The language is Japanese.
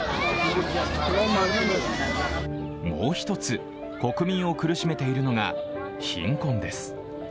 もう一つ、国民を苦しめているのが貧困です。